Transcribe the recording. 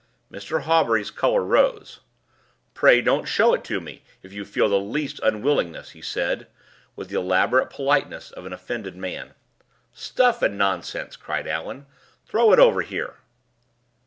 Mr. Hawbury's color rose. "Pray don't show it to me, if you feel the least unwillingness," he said, with the elaborate politeness of an offended man. "Stuff and nonsense!" cried Allan. "Throw it over here!"